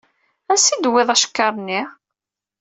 Ansa i d-tewwiḍ acekkar-nni?